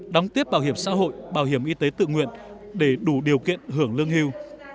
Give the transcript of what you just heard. đóng tiếp bảo hiểm xã hội bảo hiểm y tế tự nguyện để đủ điều kiện hưởng lương hưu